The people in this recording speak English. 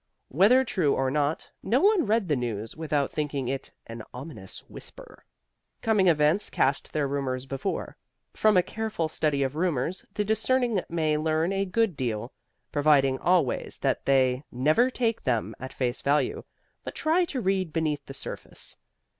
Whether true or not, no one read the news without thinking it an ominous whisper. Coming events cast their rumors before. From a careful study of rumors the discerning may learn a good deal, providing always that they never take them at face value but try to read beneath the surface.